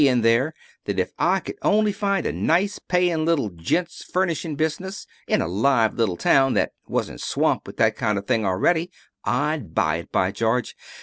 in there that if I could only find a nice, paying little gents' furnishing business in a live little town that wasn't swamped with that kind of thing already I'd buy it, by George!